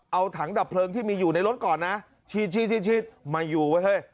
เอาถังดับเพลิงที่มีอยู่ในรถก่อนนะฉีดมาอยู่ไว้เฮ้ย